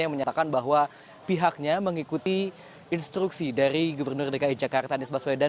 yang menyatakan bahwa pihaknya mengikuti instruksi dari gubernur dki jakarta anies baswedan